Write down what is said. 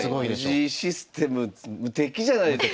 藤井システム無敵じゃないですか。